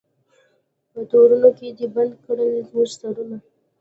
په تورونو کي دي بند کړل زموږ سرونه